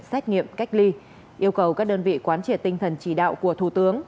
xét nghiệm cách ly yêu cầu các đơn vị quán triệt tinh thần chỉ đạo của thủ tướng